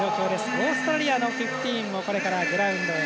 オーストラリアのフィフティーンもこれからグラウンドへ。